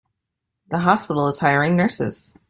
The hospital is hiring nurses.